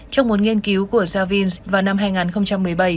trong một nghiên cứu của javins vào năm hai nghìn một mươi bảy